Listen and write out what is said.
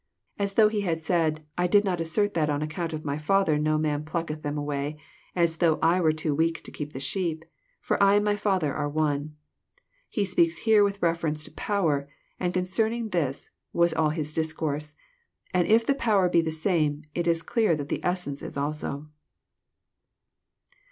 As though He had said, I did not as8ert that on account of the Father no man plucketh them away, as though I were too weak to keep the sheep. For I and the Father are one. He speaks here with reference to power, for concerning this was all His discourse ; and if the power be the same. It is clear that the essence is also."